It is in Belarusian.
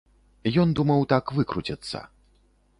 Ён думаў так выкруціцца.